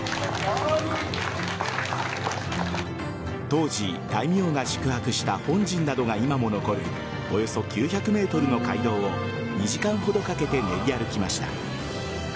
当時、大名が宿泊した本陣などが今も残るおよそ９００ｍの街道を２時間ほどかけて練り歩きました。